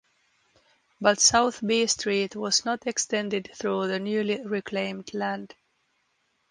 But South B Street was not extended through the newly reclaimed land.